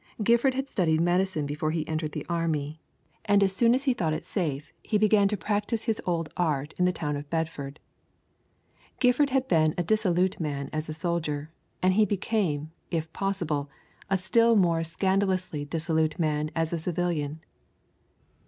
Gifford had studied medicine before he entered the army, and as soon as he thought it safe he began to practise his old art in the town of Bedford. Gifford had been a dissolute man as a soldier, and he became, if possible, a still more scandalously dissolute man as a civilian.